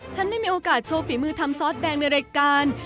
ฉันได้มีโอกาสโชว์ฝีมือทำซอสแดงในรายการ